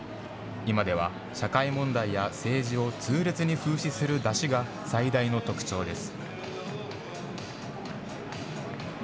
今では社会問題や政治を痛烈に風刺する山車が最大の特徴です。